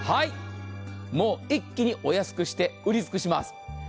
一気にお安くして売り尽くします。